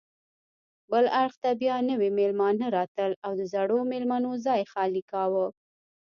بل اړخ ته بیا نوي میلمانه راتلل او زړو میلمنو ځای خالي کاوه.